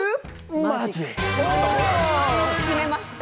お決めました。